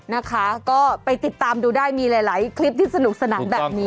นะคะก็ไปติดตามดูได้มีหลายคลิปที่สนุกสนานแบบนี้